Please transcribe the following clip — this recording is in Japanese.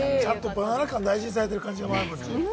バナナ感、大事にされている感じ。